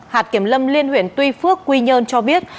hạt kiểm lâm liên huyện tuy phước quy nhơn cho biết